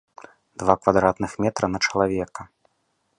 Два квадратных метра на чалавека!